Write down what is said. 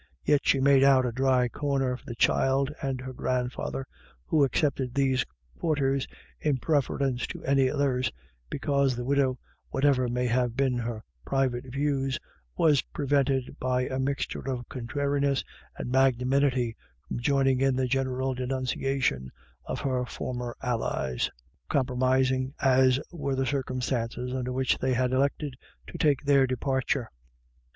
Yet she made out a dry corner for the child and her grandfather, who accepted these quarters in preference to any others, because the widow, whatever may have been her private views, was prevented by a mixture of contrariness and magnanimity from joining in the general denun ciation of her former allies, compromising as were the circumstances under which they had elected to take their departure.